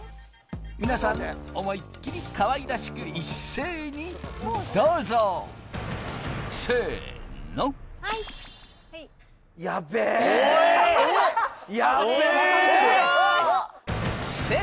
皆さん思いっきりかわいらしく一斉にどうぞせーのやべーやべーおい！